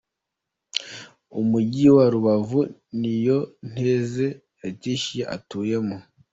Umugi wa Rubavu Niyonteze Leatitia atuyemo.